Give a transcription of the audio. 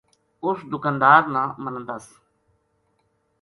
اُس دکاندار نا منا دس